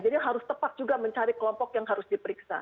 harus tepat juga mencari kelompok yang harus diperiksa